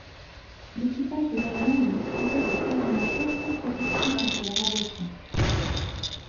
L'équipage de l'avion ne disposait de quasiment aucune protection contre les radiations.